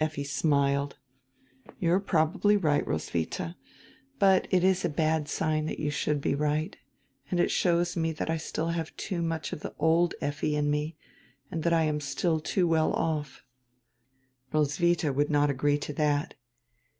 Effi smiled. "You are probably right, Roswitiia, but it is a bad sign that you should be right, and it shows me that I still have too much of the old Effi in me and that I am still too well off." Roswitiia would not agree to that.